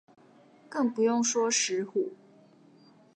更不用說石虎